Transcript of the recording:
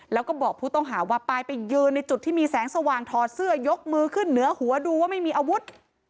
แล้วก็บอกผู้ต้องหาว่าปลายไปยืนในจุดที่มีแสงสว่างถอดเสื้อยกมือขึ้นเหนือหัวดูว่าไม่มีอาวุธ